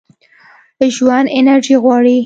ژوند انرژي غواړي.